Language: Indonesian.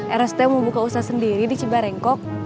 eros tuh mau buka usaha sendiri di cibarengkok